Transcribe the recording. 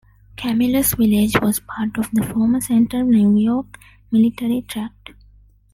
Camillus village was part of the former Central New York Military Tract.